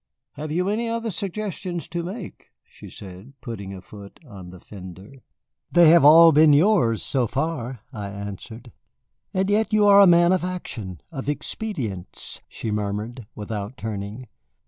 "Have you any other suggestions to make?" she said, putting a foot on the fender. "They have all been yours, so far," I answered. "And yet you are a man of action, of expedients," she murmured, without turning.